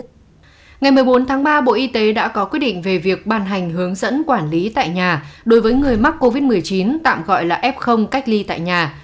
ngày một mươi bốn tháng ba bộ y tế đã có quyết định về việc ban hành hướng dẫn quản lý tại nhà đối với người mắc covid một mươi chín tạm gọi là f cách ly tại nhà